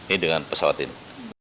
ini dengan pesawat ini